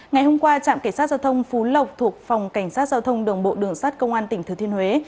ngày hôm qua trạm cảnh sát giao thông phú lộc thuộc phòng cảnh sát giao thông đường bộ đường sát công an tỉnh thừa thiên huế